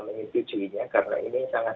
menyetujuinya karena ini sangat